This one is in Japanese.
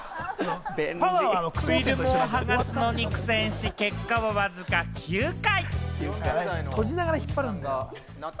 フィルムを剥がすのに苦戦し、結果はわずか９回。